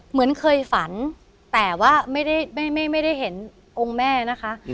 เหมือนเคยฝันแต่ว่าไม่ได้เห็นองค์แม่นะคะ